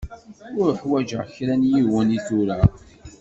Uḥwaǧeɣ kra n yiwen i tura.